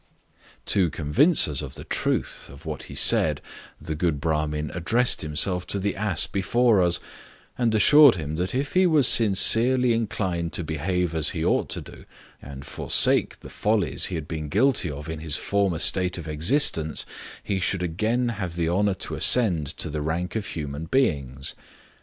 To convince us of the truth of what he said, the good Bramin addressed himself to the ass before us, and assured him that if he was sincerely inclined to behave as he ought to do, and forsake the follies he had been guilty of in his former state of existence, he should again have the honour to ascend to the rank of human beings.